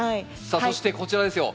さあそしてこちらですよ。